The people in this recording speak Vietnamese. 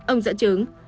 ông dẫn chứng